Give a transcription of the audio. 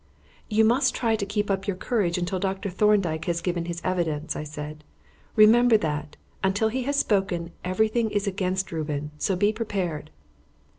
"You must try to keep up your courage until Dr. Thorndyke has given his evidence," I said. "Remember that, until he has spoken, everything is against Reuben; so be prepared."